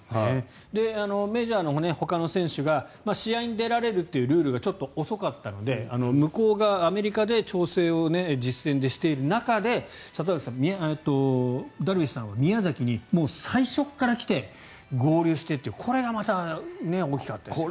メジャーのほかの選手が試合に出られるというルールがちょっと遅かったのでアメリカで実戦で調整している中でダルビッシュさんは宮崎にもう最初から来て合流してとこれがまた大きかったですね。